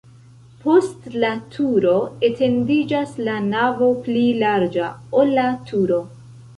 Post la turo etendiĝas la navo pli larĝa, ol la turo.